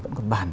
vẫn còn bàn